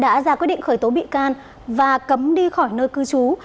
đã ra quyết định khởi tố bị can và cấm đi khỏi nơi cư trú